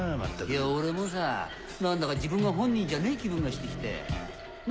いや俺もさ何だか自分が本人じゃねえ気分がしてきたよ。